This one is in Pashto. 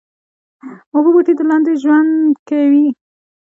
اوبو بوټي د اوبو لاندې ژوند کوي